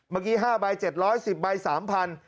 เมื่อกี้๕ใบ๗๑๐ใบ๓๐๐บาท